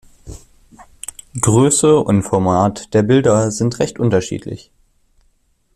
Größe und Format der Bilder sind recht unterschiedlich.